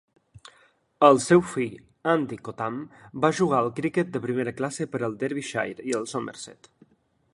El seu fill, Andy Cottam, va jugar al criquet de primera classe per al Derbyshire i el Somerset.